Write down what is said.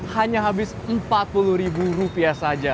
hanya habis rp empat puluh saja